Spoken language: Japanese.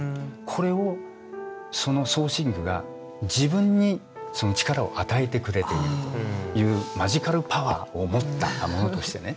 これをその装身具が自分にその力を与えてくれているというマジカルパワーを持ったものとしてね